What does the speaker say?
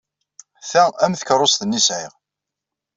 Ta am tkeṛṛust-nni ay sɛiɣ.